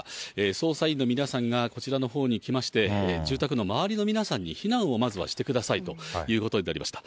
捜査員の皆さんがこちらのほうに来まして、住宅の周りの皆さんに避難をまずはしてくださいということになりました。